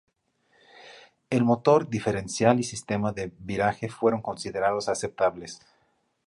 El motor, diferencial y sistema de viraje fueron considerados aceptables.